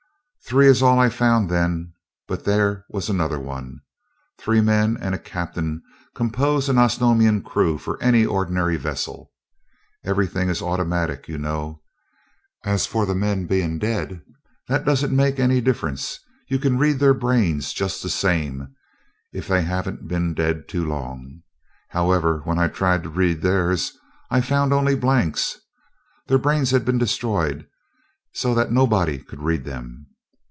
"Three is all I found then, but there was another one. Three men and a captain compose an Osnomian crew for any ordinary vessel. Everything is automatic, you, know. As for the men being dead, that doesn't make any difference you can read their brains just the same, if they haven't been dead too long. However, when I tried to read theirs, I found only blanks their brains had been destroyed so that nobody could read them.